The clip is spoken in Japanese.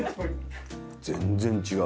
全然違う。